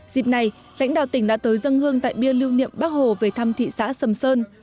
dịp này lãnh đạo tỉnh đã tới dân hương tại bia lưu niệm bắc hồ về thăm thị xã sầm sơn